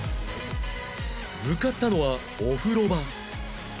向かったのはお風呂場